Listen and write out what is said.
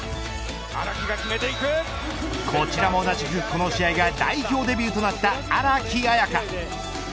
こちらも同じく、この試合が代表デビューとなった荒木彩花。